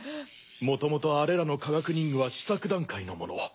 もともとあれらの科学忍具は試作段階のもの。